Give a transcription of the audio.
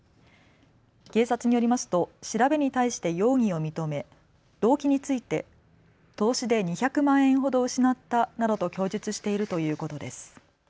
警察によりますと調べに対して容疑を認め、動機について投資で２００万円ほど失ったなどと供述しているということです。